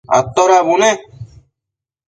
atoda bune?